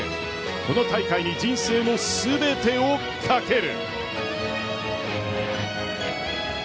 この大会に人生の全てを懸ける。